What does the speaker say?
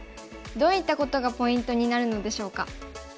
どういったことがポイントになるのでしょうか。